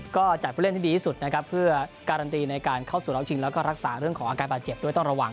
ก็จัดผู้เล่นที่ดีที่สุดนะครับเพื่อการันตีในการเข้าสู่รอบชิงแล้วก็รักษาเรื่องของอาการบาดเจ็บด้วยต้องระวัง